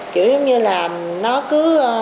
kiểu như là nó cứ